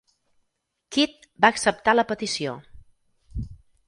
Kit va acceptar la petició.